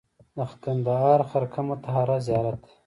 د کندهار خرقه مطهره زیارت دی